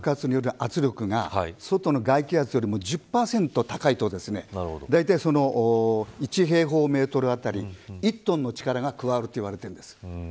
中の爆発による圧力が外の外気圧よりも１０％高いとだいたい１平方メートル当たり１トンの力が加わると言われているんです。